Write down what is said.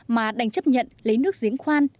mà đành chấp nhận lấy nước giếng khoan